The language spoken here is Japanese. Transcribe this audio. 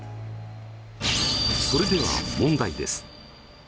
それでは問題です。